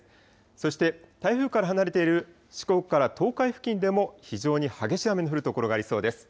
そして台風から離れている四国から東海付近でも、非常に激しい雨の降る所がありそうです。